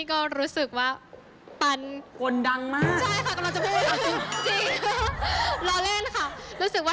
เอาความจริงมาพูดเล่น